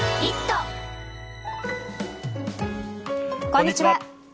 こんにちは。